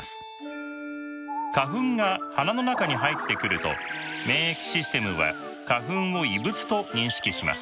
花粉が鼻の中に入ってくると免疫システムは花粉を異物と認識します。